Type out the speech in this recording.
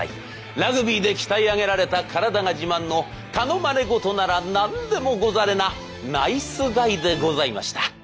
ラグビーで鍛え上げられた体が自慢の頼まれごとなら何でもござれなナイスガイでございました。